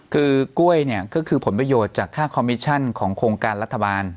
คือกล้วยเนี่ยก็คือผลประโยชน์จากค่าคอมมิชชั่นของโครงการรัฐบาล